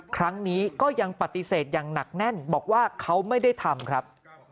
ครั้งนี้ก็ยังปฏิเสธอย่างหนักแน่นบอกว่าเขาไม่ได้ทำครับ